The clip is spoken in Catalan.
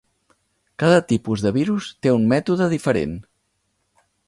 Cada tipus de virus té un mètode diferent.